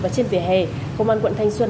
và trên vỉa hè công an quận thanh xuân